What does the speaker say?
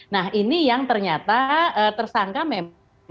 nah ini yang ternyata tersangka memang